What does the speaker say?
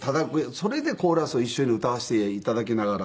それでコーラスを一緒に歌わせて頂きながら。